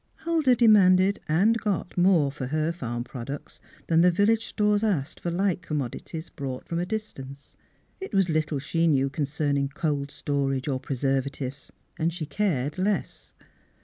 Huldah demanded and got more for her farm products than the village stores asked for like commodities brought from a distance. It was little she knew con cerning cold storage or preservatives, and she cared less.